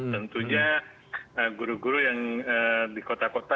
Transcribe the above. tentunya guru guru yang di kota kota